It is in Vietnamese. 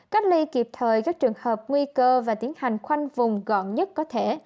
cách ly kịp thời các trường hợp nguy cơ và tiến hành khoanh vùng gọn nhất có thể